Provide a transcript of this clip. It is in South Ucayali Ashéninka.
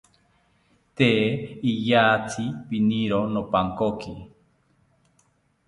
Tee iyatzi piniro nopankoki